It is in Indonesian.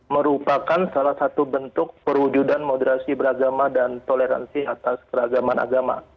merupakan salah satu bentuk perwujudan moderasi beragama dan toleransi atas keragaman agama